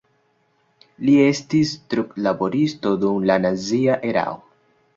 Li estis trudlaboristo dum la nazia erao.